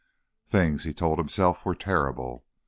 Things, he told himself, were terrible.